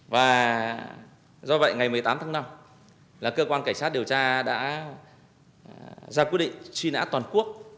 và do vậy ngày một mươi tám tháng năm là cơ quan cảnh sát điều tra đã ra quyết định truy nã toàn quốc